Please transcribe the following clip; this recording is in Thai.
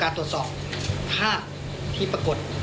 การตรวจสอบภาพที่ประกด